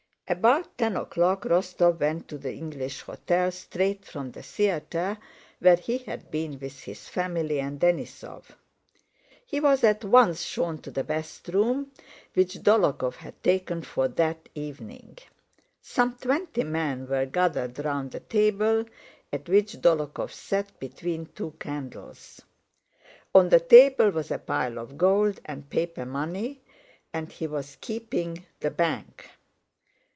About ten o'clock Rostóv went to the English Hotel straight from the theater, where he had been with his family and Denísov. He was at once shown to the best room, which Dólokhov had taken for that evening. Some twenty men were gathered round a table at which Dólokhov sat between two candles. On the table was a pile of gold and paper money, and he was keeping the bank.